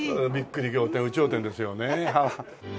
仰天有頂天ですよね。